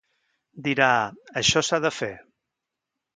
Dirà: això s’ha de fer.